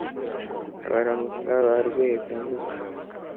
n'abaramutsa ba rweza-mbuga,